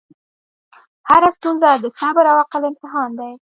هره ستونزه د صبر او عقل امتحان دی.